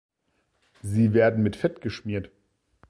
Sie werden mit Fett geschmiert.